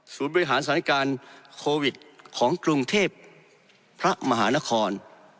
บริหารสถานการณ์โควิดของกรุงเทพพระมหานคร